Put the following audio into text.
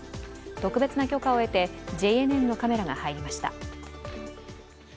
特別な許可を得て、ＪＮＮのカメラが入りました。